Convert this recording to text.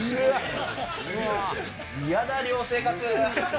嫌だ、寮生活。